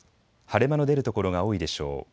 晴れ間の出る所が多いでしょう。